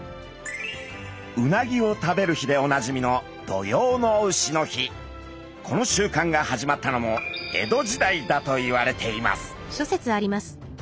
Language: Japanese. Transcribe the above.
うなぎを食べる日でおなじみのこの習慣が始まったのも江戸時代だといわれています。